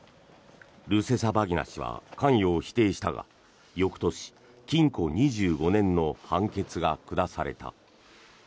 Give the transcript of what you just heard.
ルセサバギナ氏は関与を否定したが翌年、禁錮２５年の判決が下された。